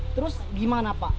terus gimana pak